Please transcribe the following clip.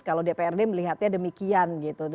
kalau dprd melihatnya demikian gitu